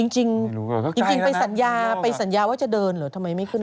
จริงไปสัญญาไปสัญญาว่าจะเดินเหรอทำไมไม่ขึ้น